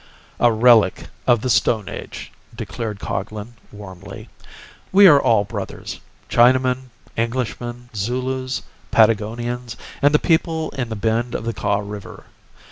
"A relic of the stone age," declared Coglan, warmly. "We are all brothers—Chinamen, Englishmen, Zulus, Patagonians and the people in the bend of the Kaw River.